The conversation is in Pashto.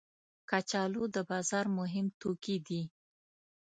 کچالو د بازار مهم توکي دي